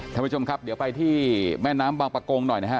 ท่านผู้ชมครับเดี๋ยวไปที่แม่น้ำบางประกงหน่อยนะฮะ